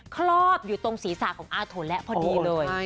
ครอบอยู่ตรงศีรษะของอาถนและพอดีเลย